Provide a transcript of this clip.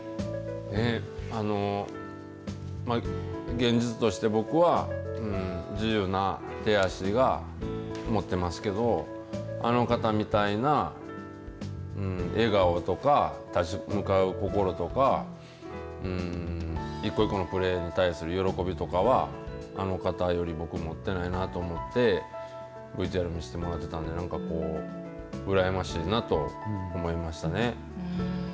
現実として僕は自由な手足が持ってますけどあの方みたいな笑顔とか立ち向かう心とか１個１個のプレーに対する喜びとかはあの方より僕、持っていないなと思って見せてもらってたんですけどうらやましいなと思いましたね。